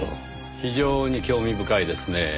非常に興味深いですねぇ。